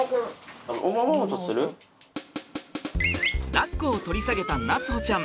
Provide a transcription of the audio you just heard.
だっこを取り下げた夏歩ちゃん